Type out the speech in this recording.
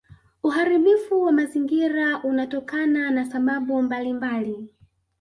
uharibifu wa mazingira unatokana na sababu mbalimbali